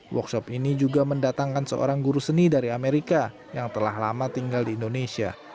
workshop ini juga mendatangkan seorang guru seni dari amerika yang telah lama tinggal di indonesia